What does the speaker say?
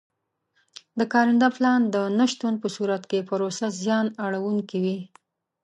د کارنده پلان د نه شتون په صورت کې پروسه زیان اړوونکې وي.